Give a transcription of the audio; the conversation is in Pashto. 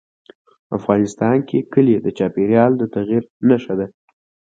افغانستان کې کلي د چاپېریال د تغیر نښه ده.